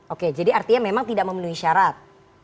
oke jadi artinya memang tidak memenuhi syarat